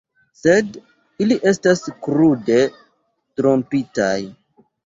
Sed ili estas krude trompitaj.